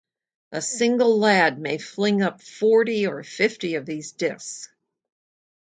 A single lad may fling up forty or fifty of these discs.